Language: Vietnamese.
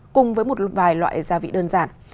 cùng với một vài loại gia vị đơn giản